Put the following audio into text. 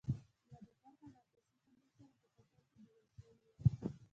یاده طرحه له اساسي قانون سره په ټکر کې بلل شوې وه.